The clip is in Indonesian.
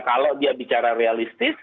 kalau dia bicara realistis